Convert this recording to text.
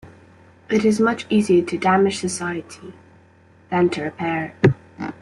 It's much easier to damage society... than to repair it.